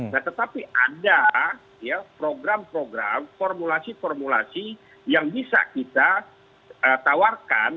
nah tetapi ada program program formulasi formulasi yang bisa kita tawarkan